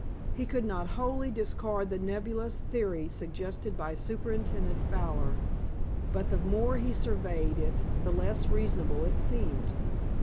He could not wholly discard the nebulous theory suggested by Superintendent Fowler, but the more he surveyed it the less reasonable it seemed.